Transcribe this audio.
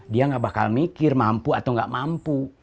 dia gak bakal mikir mampu atau nggak mampu